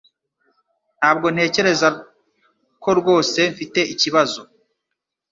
Ntabwo ntekereza ko rwose mfite ikibazo.